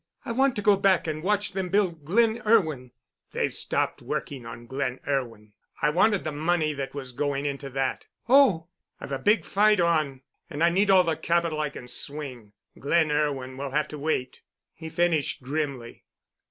"I want to go back and watch them build 'Glen Irwin.'" "They've stopped working on 'Glen Irwin.' I wanted the money that was going into that." "Oh!" "I've a big fight on, and I need all the capital I can swing. 'Glen Irwin' will have to wait," he finished grimly.